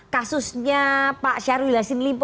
kasusnya pak syarulilasin limpo